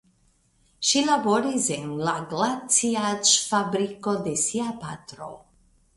Ŝi laboris en la glaciaĵfabriko de sia patro.